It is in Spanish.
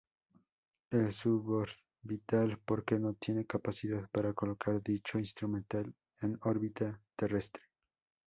Es suborbital porque no tiene capacidad para colocar dicho instrumental en órbita terrestre.